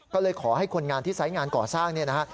ก็เลยขอให้คนงานที่ไซส์งานก่อสร้างเนี่ยนะฮะ